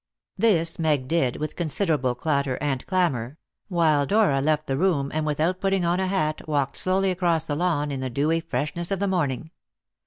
This Meg did with considerable clatter and clamour; while Dora left the room, and without putting on a hat walked slowly across the lawn, in the dewy freshness of the morning.